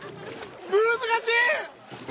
難しい！